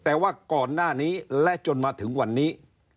แต่ว่าก่อนหน้านี้และจนมาถึงวันนี้